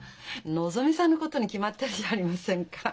のぞみさんのことに決まってるじゃありませんか。